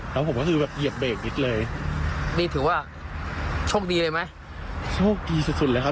แล้วผมก็คือแบบเหยียบเบรกนิดเลยนี่ถือว่าโชคดีเลยไหมโชคดีสุดสุดเลยครับ